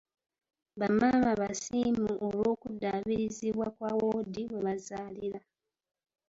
Ba maama basiimu olw'okuddabirizibwa kwa woodi webazaalira.